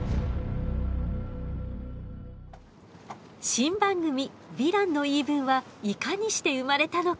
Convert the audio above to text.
新番組「ヴィランの言い分」はいかにして生まれたのか。